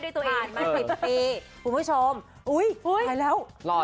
ทองเนื้อก้าว